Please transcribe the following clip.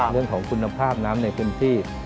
เรื่องของคุณภาพน้ำในพื้นที่